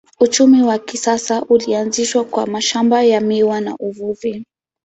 Uchumi wa kisasa ulianzishwa kwa mashamba ya miwa na uvuvi.